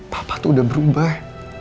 papa tuh udah berubah